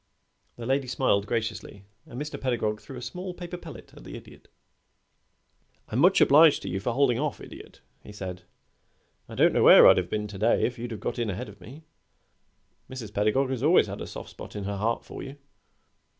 The lady smiled graciously, and Mr. Pedagog threw a small paper pellet at the Idiot. "I'm much obliged to you for holding off, Idiot," he said. "I don't know where I'd have been to day if you'd got in ahead of me. Mrs. Pedagog has always had a soft spot in her heart for you."